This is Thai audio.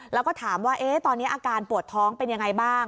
แล้วก็ถามว่าตอนนี้อาการปวดท้องเป็นยังไงบ้าง